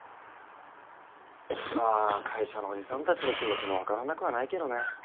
まあ会社のおじさんたちの気持ちも分からなくはないけどね。